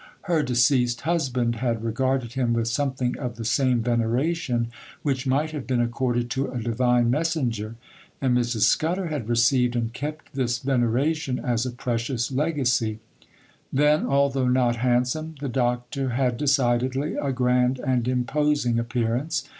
Her deceased husband had regarded him with something of the same veneration which might have been accorded to a divine messenger, and Mrs. Scudder had received and kept this veneration as a precious legacy. Then, although not handsome, the Doctor had decidedly a grand and imposing appearance.